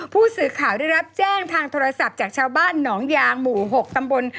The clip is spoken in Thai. ผู้สื่อข่าวได้รับแจ้งทางโทรศัพท์จากชาวบ้านหนองยางหมู่๖ตำบล